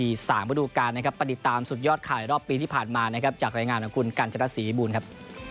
มาดูการปฏิตามสุดยอดขายรอบปีที่ผ่านมาจากรายงานของคุณกัญชนาศรีบูรณ์ครับ